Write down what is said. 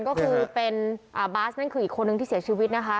ก็คือเป็นบาสนั่นคืออีกคนนึงที่เสียชีวิตนะคะ